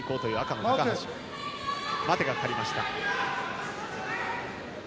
待てがかかりました。